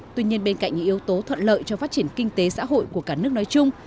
tuy nhiên bên cạnh những yếu tố thuận lợi cho phát triển kinh tế xã hội của cả nước nói chung